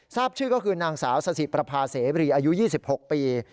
ทราบชื่อก็คือนางสาวสถิประพาเสบรีอายุ๒๖ปี